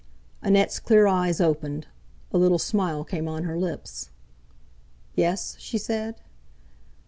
Annette's clear eyes opened; a little smile came on her lips. "Yes?" she said.